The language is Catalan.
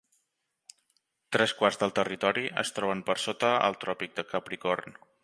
Tres quarts del territori es troben per sota el Tròpic de Capricorn.